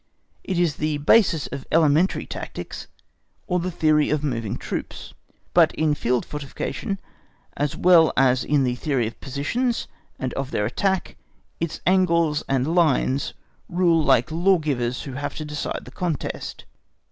It is the basis of elementary tactics, or of the theory of moving troops; but in field fortification, as well as in the theory of positions, and of their attack, its angles and lines rule like law givers who have to decide the contest.